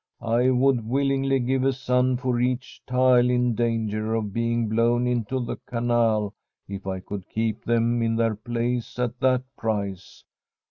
I would willingly g^ve a son for each tile in danger of being blown into the canal if I could keep them in their place at that price.